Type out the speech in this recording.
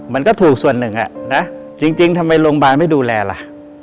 มันก็ถูกส่วนหนึ่งอ่ะนะจริงทำไมโรงพยาบาลไม่ดูแลล่ะ